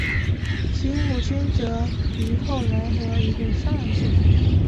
其母亲则于后来和一名商人结婚。